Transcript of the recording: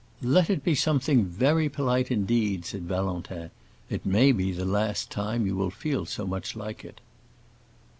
"Let it be something very polite indeed," said Valentin. "It may be the last time you will feel so much like it!"